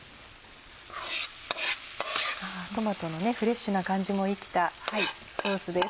トマトのフレッシュな感じも生きたソースです。